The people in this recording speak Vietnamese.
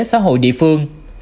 xã hội địa phương